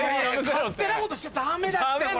勝手なことしちゃダメだって！